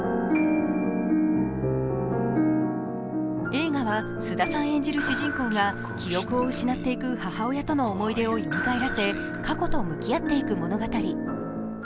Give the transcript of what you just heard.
映画は菅田さん演じる主人公が記憶を失っていく母親との思い出をよみがえらせ過去と向き合っていく物語。